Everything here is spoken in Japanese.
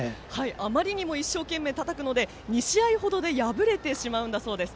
あまりにも一生懸命たたくので２試合程で破れてしまうんだそうです。